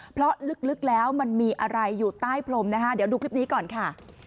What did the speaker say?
เพราะลึกแล้วมันมีอะไรอยู่ใต้พรมนะคะเดี๋ยวดูคลิปนี้ก่อนค่ะ